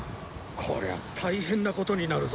こりゃあ大変なことになるぞ。